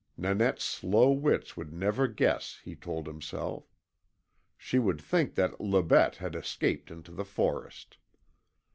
Nanette's slow wits would never guess, he told himself. She would think that LE BETE had escaped into the forest.